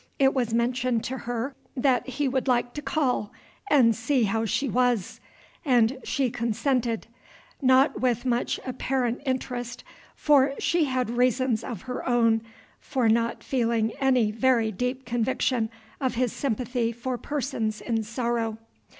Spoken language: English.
It was mentioned to her that he would like to call and see how she was, and she consented, not with much apparent interest, for she had reasons of her own for not feeling any very deep conviction of his sympathy for persons in sorrow.